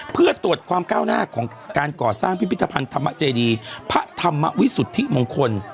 เพื่อตรวจความก้าวหน้าของการก่อสร้างพิพิธภัณฑ์ธรรมเจดีพระธรรมวิสุทธิมงคล